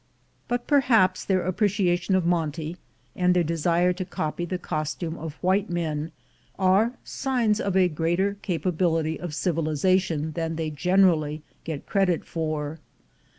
But perhaps their appreciation of monte, and their desire to copy the costume of white men, are signs of a greater capability of civilization than they gener ally get credit for.